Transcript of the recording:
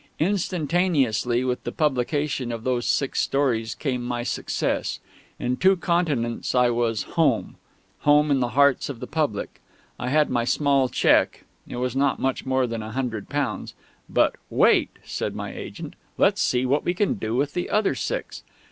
Instantaneously with the publication of those six stories came my success. In two continents I was "home" home in the hearts of the public. I had my small cheque it was not much more than a hundred pounds but "Wait," said my agent; "let's see what we can do with the other six...."